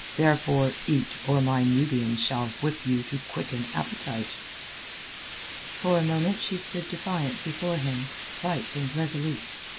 Therefore, eat, or my Nubians shall whip you to quicken appetite." For a moment she stood defiant before him, white and resolute.